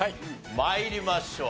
参りましょう。